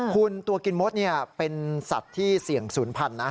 คุณตัวกินมดเป็นสัตว์ที่เสี่ยงศูนย์พันธุ์นะ